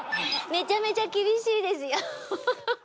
めちゃめちゃ厳しいですよ。